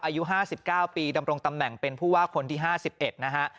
อายุ๕๙ปีดำรงตำแหน่งเป็นผู้ว่าคนที่๕๑นะฮะ